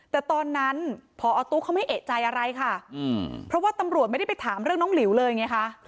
แต่ตอนนั้นพอตุ๊กเขาไม่เอกใจอะไรค่ะเพราะว่าตำรวจไม่ได้ไปถามเรื่องน้องหลิวเลยไงคะ